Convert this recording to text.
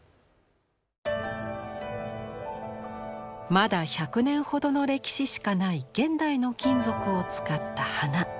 まだ１００年ほどの歴史しかない現代の金属を使った花。